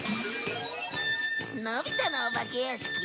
のび太のお化け屋敷？